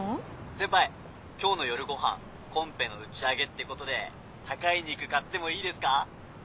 先輩今日の夜ご飯コンペの打ち上げってことで高い肉買ってもいいですか？